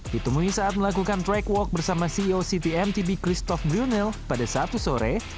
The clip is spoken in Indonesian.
ditemui saat melakukan track walk bersama ceo city mtb christoph blirnel pada sabtu sore